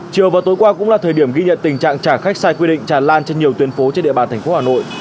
chiều và tối qua cũng là thời điểm ghi nhận tình trạng trả khách sai quy định tràn lan trên nhiều tuyến phố trên địa bàn thành phố hà nội